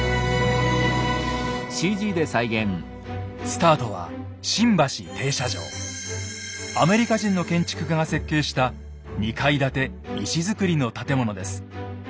スタートはアメリカ人の建築家が設計した２階建て石造りの建物です。